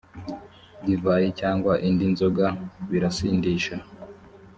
divayi cyangwa indi nzoga birasindisha,